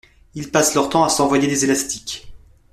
Ils passent leur temps à s'envoyer des élastiques.